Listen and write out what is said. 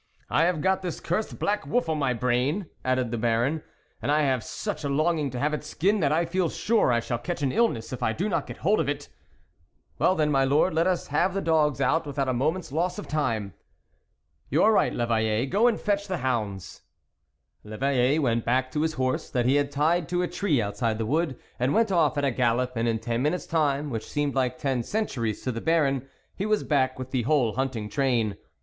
" I have got this cursed black wolf on my brain," added the Baron, " and I have such a longing to have its skin, that I feel sure I shall catch an illness if I do not get hold of it." " Well then, my lord, let us have the dogs out without a moment's loss of time." " You are right, 1'Eveille ; go and fetch the hounds." L'Eveille went back to his horse, that he had tied to a tree outside the wood, and went off at a gallop, and in ten minutes' time, which seemed like ten centuries to the Baron, he was back with the whole hunting train.